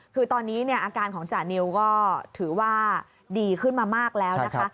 คือตอนนี้เนี่ยอาการของจานิวก็ถือว่าดีขึ้นมามากแล้วนะคะ